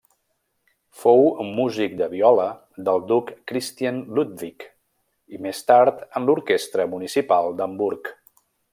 Fou músic de viola del duc Christian Ludwig i més tard en l'orquestra municipal d'Hamburg.